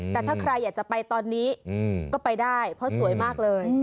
แต่ถ้าใครอยากจะไปตอนนี้ก็ไปได้เพราะสวยมากเลย